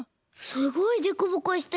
すごいでこぼこしてる。